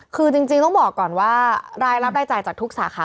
คือจริงต้องบอกก่อนว่ารายรับรายจ่ายจากทุกสาขา